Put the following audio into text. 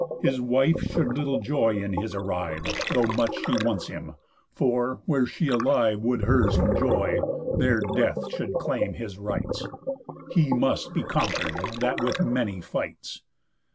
His wife should little joy in his arrive, Though much she wants him; for, where she alive Would her's enjoy, there death should claim his rights. _He must be conquer'd that with many fights.